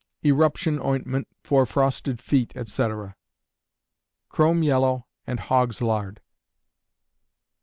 Eruption Ointment, for Frosted Feet, etc. Chrome yellow, and hog's lard.